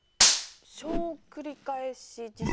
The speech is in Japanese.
小繰り返し地震。